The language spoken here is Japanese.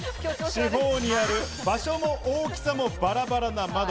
四方にある場所も大きさもバラバラな窓。